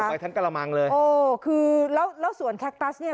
ไปทั้งกระมังเลยโอ้คือแล้วแล้วสวนแคคตัสเนี่ย